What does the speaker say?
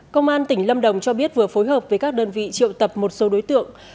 công an tỉnh lâm đồng cho biết vừa phối hợp với các đơn vị triệu tập một số đối tượng